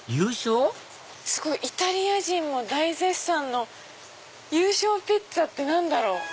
イタリア人も大絶賛の優勝ピッツァって何だろう？